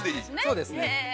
◆そうですね。